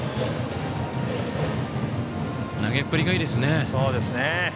投げっぷりがいいですね。